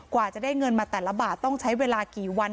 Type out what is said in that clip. กว่าจะได้เงินมาแต่ละบาทต้องใช้เวลากี่วัน